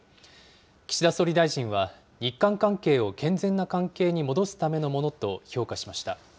岸田総理大臣は、日韓関係を健全な関係に戻すためのものと評価しました。